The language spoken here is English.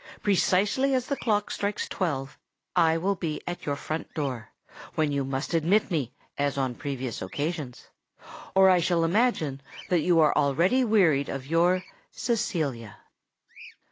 Precisely as the clock strikes twelve, I will be at your front door, when you must admit me as on previous occasions—or I shall imagine that you are already wearied of your "CECILIA."